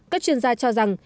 các chuyên gia cho rằng